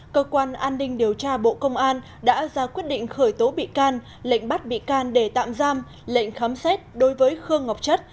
cơ quan an ninh điều tra bộ công an đã ra quyết định khởi tố bị can lệnh bắt bị can để tạm giam lệnh khám xét đối với khương ngọc chất